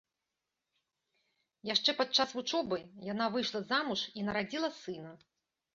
Яшчэ падчас вучобы яна выйшла замуж і нарадзіла сына.